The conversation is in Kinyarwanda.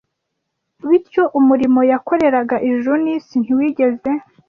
bityo umurimo yakoreraga ijuru n’isi ntiwigeze